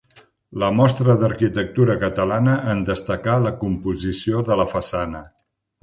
La Mostra d'Arquitectura Catalana en destacà la composició de la façana.